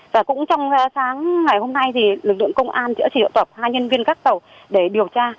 và cũng trong sáng ngày hôm nay thì lực lượng công an đã triệu tập hai nhân viên các tàu để điều tra